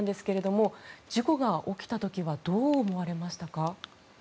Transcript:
事故が起きた時はどう思われましたか。